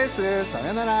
さよなら